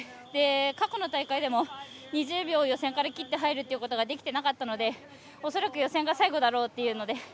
過去の大会でも２０秒を予選から切って入るということができていなかったので恐らく予選が最後だろうというので。